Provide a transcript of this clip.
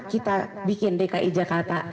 kita bikin dki jakarta